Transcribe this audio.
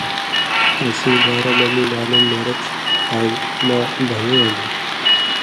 اسیں بارہ مہ مِیں معلوم نېرہ چھی ہریۡ مہ بھیَیں یاں نی تُھو۔